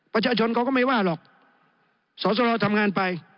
ประชาชนเขาก็ไม่ว่าหรอกสอสรทำงานไป